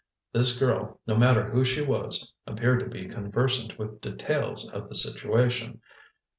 This girl, no matter who she was, appeared to be conversant with details of the situation.